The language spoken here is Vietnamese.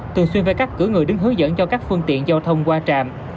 thường xuyên về các cửa người đứng hướng dẫn cho các phương tiện giao thông qua trạm